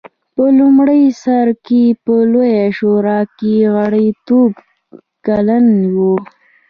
په لومړي سر کې په لویه شورا کې غړیتوب کلن و.